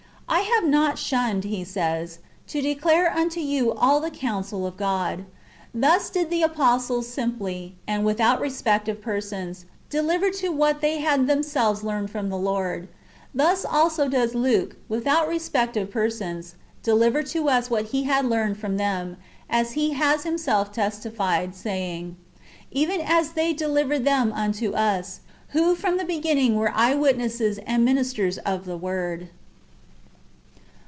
" I have not shunned," he says, " to declare unto you all the counsel of God." Thus did the apostles simply, and without respect of persons, deliver to all what they had themselves learned from the Lord. Thus also does Luke, without respect of persons, deliver to us what he had learned from them, as he has himself testified, saying, " Even as they delivered them unto us, who from the beginning were eye witnesses and ministers of the Word."